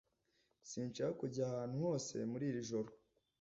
Sinshaka kujya ahantu hose muri iri joro